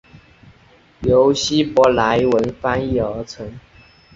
由希伯来文翻译而成。